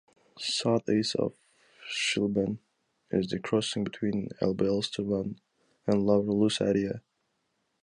South-east of Schlieben is the crossing between Elbe-Elster Land and Lower Lusatia.